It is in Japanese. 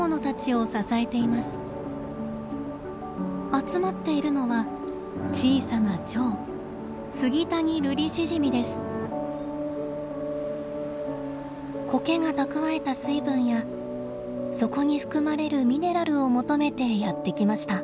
集まっているのは小さなチョウコケが蓄えた水分やそこに含まれるミネラルを求めてやって来ました。